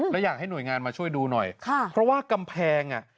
แล้วอยากให้หน่วยงานมาช่วยดูหน่อยค่ะเพราะว่ากำแพงอ่ะ